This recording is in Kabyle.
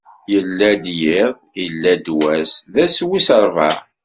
Illa-d yiḍ, illa-d wass: d ass wis ṛebɛa.